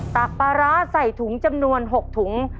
ักปลาร้าใส่ถุงจำนวน๖ถุง